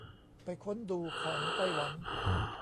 ไปค้นดูของไต้หวัน